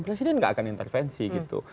presiden nggak akan intervensi gitu